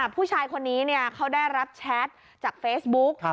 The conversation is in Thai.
ผู้ชายคนนี้เขาได้รับแชทจากเฟซบุ๊ก